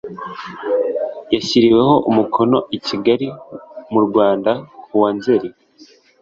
yashyiriweho umukono i kigali mu rwanda kuwa nzeri